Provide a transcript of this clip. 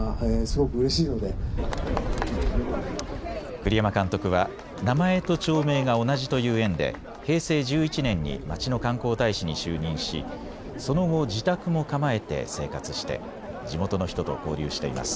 栗山監督は名前と町名が同じという縁で平成１１年に町の観光大使に就任しその後、自宅も構えて生活して地元の人と交流しています。